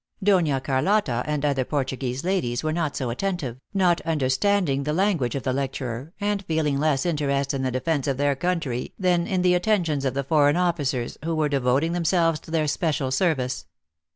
Dona Carlotta and the other Portuguese ladies were not so attentive, not understanding the language of the lecturer, and feeling less interest in the defence of O their country than in the attentions of the foreign of ficers, who were devoting themselves to their special service.